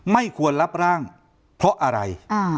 ไม่ควรรับร่างเพราะอะไร